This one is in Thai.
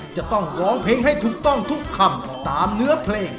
จะต้องร้องเพลงให้ถูกต้องทุกคำตามเนื้อเพลง